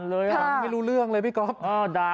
กลับมาพร้อมขอบความ